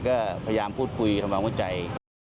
ก็พยายามพูดคุยทำงวดใจ